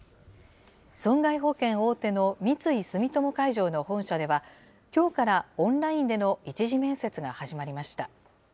損害保険大手の三井住友海上の本社では、きょうからオンラインでの１次面接が始まりました。